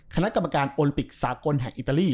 คณะกรรมการโอลิปิกสากลแห่งอิตาลี